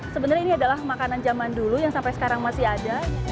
sebenarnya ini adalah makanan zaman dulu yang sampai sekarang masih ada